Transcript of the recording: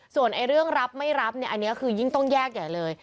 ส่วนเรื่องรับไม่รับเนี่ยอันนี้คือยิ่งต้องแยกใหญ่เลย